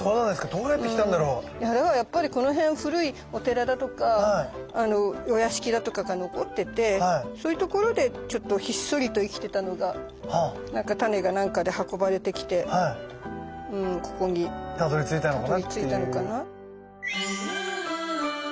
どうやって来たんだろう？だからやっぱりこの辺古いお寺だとかお屋敷だとかが残っててそういう所でひっそりと生きてたのがタネが何かで運ばれてきてここにたどりついたのかな。